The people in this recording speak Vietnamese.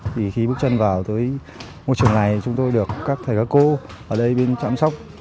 thì khi bước chân vào tới môi trường này chúng tôi được các thầy các cô ở đây bên chăm sóc